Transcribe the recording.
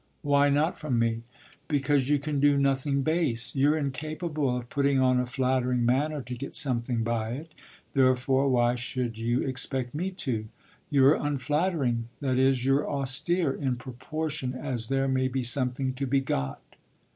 "Why not from me?" "Because you can do nothing base. You're incapable of putting on a flattering manner to get something by it: therefore why should you expect me to? You're unflattering that is, you're austere in proportion as there may be something to be got."